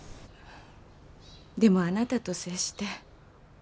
でもあなたと接して。